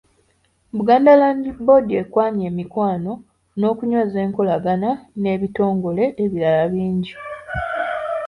Buganda Land Board ekwanye emikwano n’okunyweza enkolagana n'ebitongole ebirala bingi.